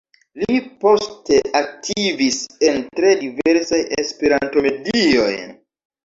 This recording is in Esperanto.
Li poste aktivis en tre diversaj Esperanto-medioj.